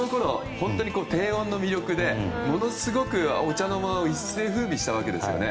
本当に低音の魅力でものすごくお茶の間を一世風靡したわけですね。